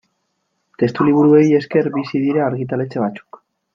Testuliburuei esker bizi dira argitaletxe batzuk.